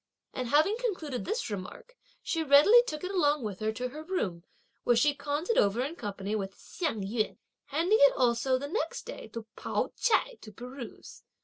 and having concluded this remark, she readily took it along with her to her room, where she conned it over in company with Hsiang yün; handing it also the next day to Pao ch'ai to peruse.